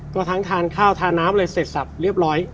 ก็ทั้งทานข้าวทานน้ำอะไรเสร็จสับเรียบร้อย